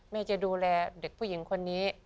แม่จะดูแลเด็กผู้หญิงคนนี้